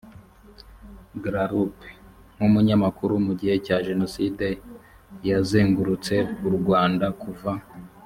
grarup nk umunyamakuru mu gihe cya jenoside yazengurutse u rwanda kuva